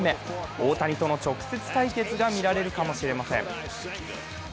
大谷との直接対決が見られるかもしれません。